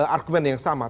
argumen yang sama